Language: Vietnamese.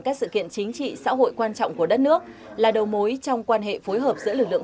các sự kiện chính trị xã hội quan trọng của đất nước là đầu mối trong quan hệ phối hợp giữa lực lượng